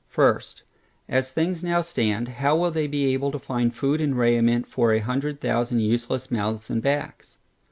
First, As things now stand, how they will be able to find food and raiment for a hundred thousand useless mouths and backs.